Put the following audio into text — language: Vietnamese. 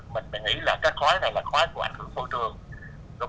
mình nghĩ là cái khói này là khói của ảnh hưởng khôi trường